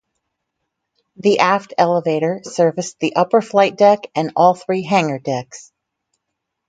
The aft elevator serviced the upper flight deck and all three hangar decks.